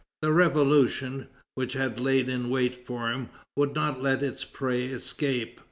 The Revolution, which had lain in wait for him, would not let its prey escape.